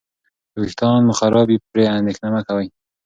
که ویښتان مو خراب وي، پرې اندېښنه مه کوه.